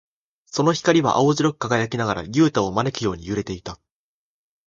その光は青白く輝きながら、ユウタを招くように揺れていた。